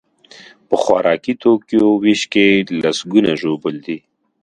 په خوراکي توکیو ویش کې لسکونه ژوبل دي.